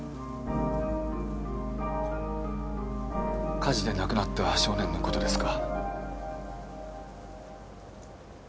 火事で亡くなった少年の事ですか？